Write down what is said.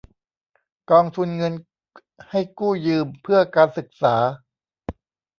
กองทุนเงินให้กู้ยืมเพื่อการศึกษา